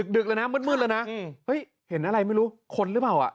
ดึกเลยนะมืดแล้วนะเฮ้ยเห็นอะไรไม่รู้คนหรือเปล่า